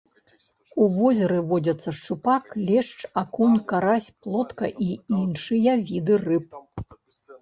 У возеры водзяцца шчупак, лешч, акунь, карась, плотка і іншыя віды рыб.